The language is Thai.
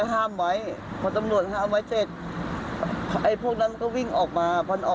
หนูก็เลยวิ่งไปบ้านเช่าเขาถึงบ้านเช่า